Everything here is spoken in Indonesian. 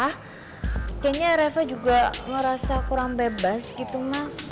kayaknya reva juga ngerasa kurang bebas gitu mas